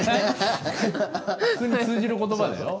普通に通じる言葉だよ。